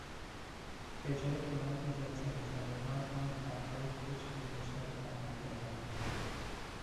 به جای کمک به زلزلهزدگان همان حرفهای پوچ گذشته را تحویل دادند.